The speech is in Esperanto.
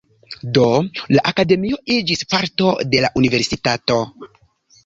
Do, la akademio iĝis parto de la universitato.